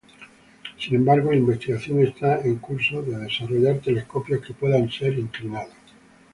Sin embargo, la investigación está en curso de desarrollar telescopios que puedan ser inclinados.